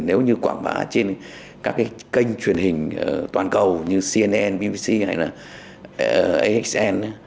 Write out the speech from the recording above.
nếu như quảng bá trên các cái kênh truyền hình toàn cầu như cnn bbc hay là axn